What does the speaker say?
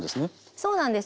そうなんです。